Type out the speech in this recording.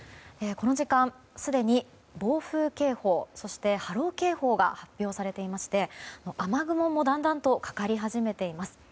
この時間すでに暴風警報そして波浪警報が発表されていて雨雲もだんだんとかかり始めています。